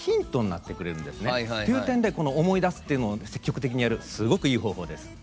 っていう点で思い出すっていうの積極的にやるすごくいい方法です。